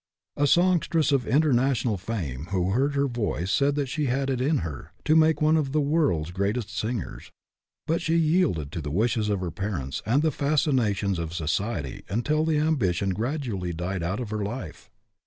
A songstress of international fame who heard her voice said that she had it in her to make one of the world's greatest singers. But she yielded to the wishes of her parents and the fascinations of society until the ambition gradually died out of her life.